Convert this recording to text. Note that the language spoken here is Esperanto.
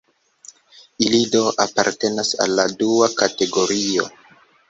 Ili do apartenas al la dua kategorio.